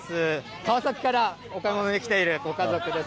川崎からお買い物に来ているご家族です。